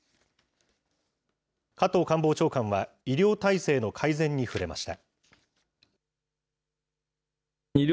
加藤官房長官は医療体制の改善に触れました。